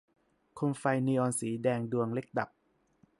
โคมไฟนีออนสีแดงดวงเล็กดับ